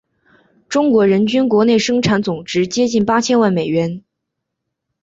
中国人均国内生产总值接近八千万美元。